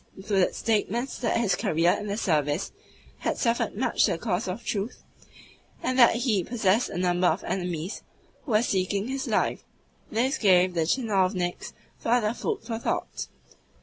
included statements that his career in the service had suffered much to the cause of Truth, and that he possessed a number of enemies who were seeking his life. This gave the tchinovniks further food for thought.